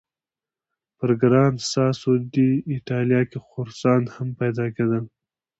په ګران ساسو ډي ایټالیا کې خرسان هم پیدا کېدل.